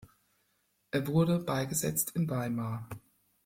Er wurde beigesetzt in Weimar.